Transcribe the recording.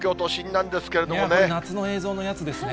夏の映像のやつですね。